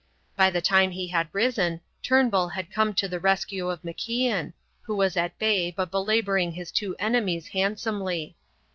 By the time he had risen, Turnbull had come to the rescue of MacIan, who was at bay but belabouring his two enemies handsomely.